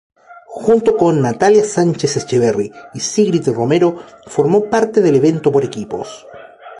Junto con Natalia Sánchez Echeverri y Sigrid Romero formó parte del evento por equipos.